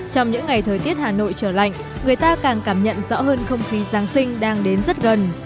trong những ngày thời tiết hà nội trở lạnh người ta càng cảm nhận rõ hơn không khí giáng sinh đang đến rất gần